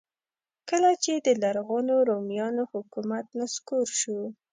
کله چې د لرغونو رومیانو حکومت نسکور شو.